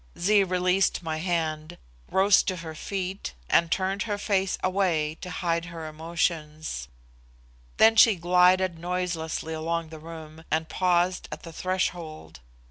Zee released my hand, rose to her feet, and turned her face away to hide her emotions; then she glided noiselessly along the room, and paused at the threshold.